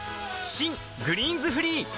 新「グリーンズフリー」